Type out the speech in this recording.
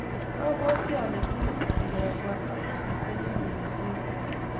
obwoti ale kimucgi kebwaa ak tetutie nemie kosiir ni